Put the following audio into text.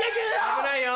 危ないよ。